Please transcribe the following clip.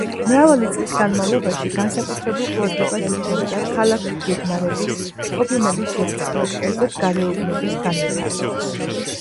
მრავალი წლის განმავლობაში განსაკუთრებულ ყურადღებას უთმობდა ქალაქგეგმარების პრობლემების შესწავლას, კერძოდ გარეუბნების განვითარებას.